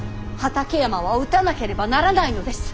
畠山は討たなければならないのです。